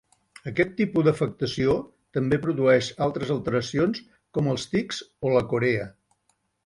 Aquest tipus d'afectació també produeix altres alteracions com els tics o la corea.